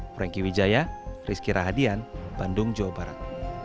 franky wijaya rizky rahadian bandung jawa barat